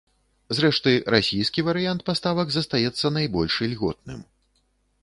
Зрэшты, расійскі варыянт паставак застаецца найбольш ільготным.